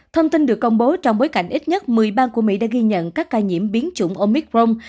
thông tin được công bố trong bối cảnh ít nhất một mươi bang của mỹ đã ghi nhận các ca nhiễm biến chủng omicron